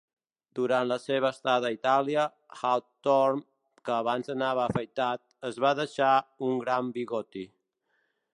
Durant la seva estada a Itàlia, Hawthorne, que abans anava afaitat, es va deixar un gran bigoti.